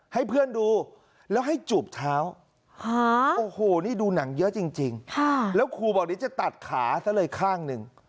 ให้เพื่อนดูแล้วให้จูบเท้าโอ้โหนี่ดูหนังเยอะจริงแล้วครูบอกเดี๋ยวจะตัดขาซะเลยข้างหนึ่ง